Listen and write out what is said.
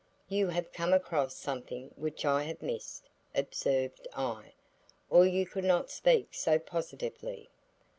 "You have come across something which I have missed," observed I, "or you could not speak so positively."